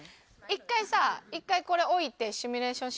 １回さ１回これ置いてシミュレーションしよう。